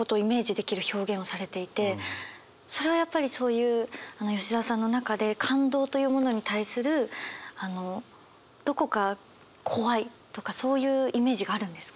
それはやっぱりそういう吉澤さんの中で感動というものに対するどこか怖いとかそういうイメージがあるんですか？